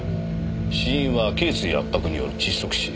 死因は頚椎圧迫による窒息死。